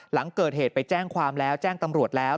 หลังเกิดเหตุไปแจ้งความแล้วแจ้งตำรวจแล้ว